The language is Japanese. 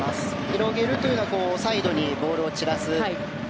広げるというのはサイドのボールを散らすと。